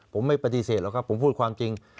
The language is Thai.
ผมไม่ปฏิเสธหรอกครับผมพูดความจริง